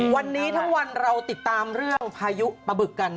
วันนี้ทั้งวันเราติดตามเรื่องพายุปะบึกกัน